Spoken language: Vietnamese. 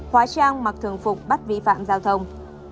hóa trang mặc thường phục bắt vi phạm giao thông